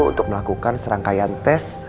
untuk melakukan serangkaian tes